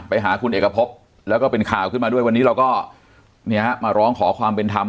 ไปหาคุณเอกพบแล้วก็เป็นข่าวขึ้นมาด้วยวันนี้เราก็มาร้องขอความเป็นธรรม